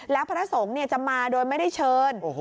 แล้วพระสงฆ์จะมาโดยไม่ได้เชิญ